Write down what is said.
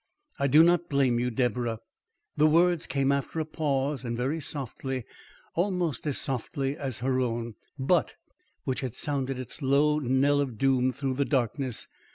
I do not blame you, Deborah." The words came after a pause and very softly, almost as softly as her own BUT which had sounded its low knell of doom through the darkness.